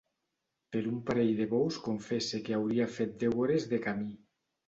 Per un parell de bous confesse que hauria fet deu hores de camí.